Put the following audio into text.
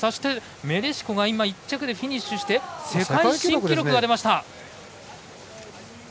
メレシコが１着でフィニッシュして世界新記録が出ました！